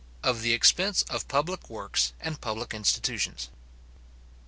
Of the Expense of public Works and public Institutions.